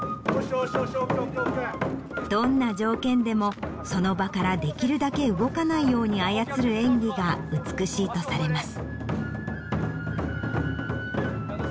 どんな条件でもその場からできるだけ動かないように操る演技が美しいとされます。